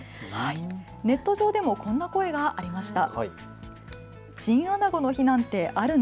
ネット上でもこんな声がありました。